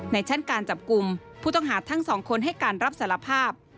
ในชั้นการจับกลุ่มผู้ต้องหาทั้งสองคนให้การรับสารภาพ